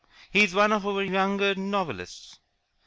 He is one of our younger novelists."